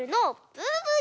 ブーブー。